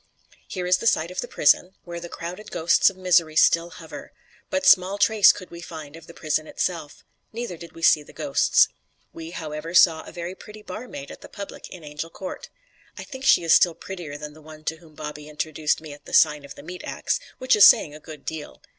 Here is the site of the prison, where the crowded ghosts of misery still hover; but small trace could we find of the prison itself, neither did we see the ghosts. We, however, saw a very pretty barmaid at the public in Angel Court. I think she is still prettier than the one to whom Bobby introduced me at the Sign of the Meat Axe, which is saying a good deal.